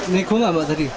niko nggak mbak tadi